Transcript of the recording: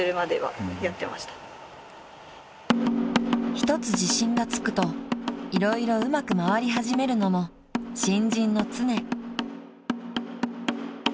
［一つ自信がつくと色々うまく回りはじめるのも新人の常］